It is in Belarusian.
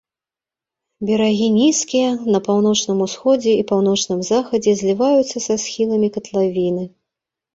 Берагі нізкія, на паўночным усходзе і паўночным захадзе зліваюцца са схіламі катлавіны.